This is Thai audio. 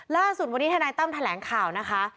ล่าสุดวันนี้ทนายตั้มแถลงข่าวนะคะ